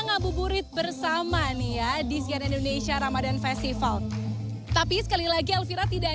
ngabuburit bersama disken indonesia ramadan festival tapi sekali lagi elvira tidak